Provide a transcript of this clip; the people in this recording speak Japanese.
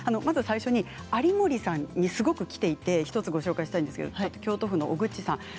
まず最初に有森さんにすごくきていてご紹介したいんですが京都府の方です。